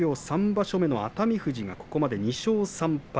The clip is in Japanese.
３場所目の熱海富士がここまで２勝３敗。